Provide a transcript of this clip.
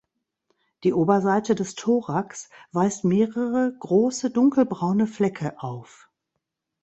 Die Oberseite des Thorax weist mehrere große dunkelbraune Flecke auf.